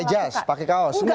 pakai jas pakai kaos enggak